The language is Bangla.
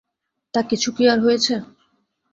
তা কিছু কি আর হয়েছে?